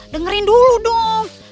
dengerin dulu dong